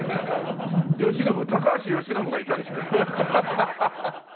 よしのぶ高橋由伸がいたりして。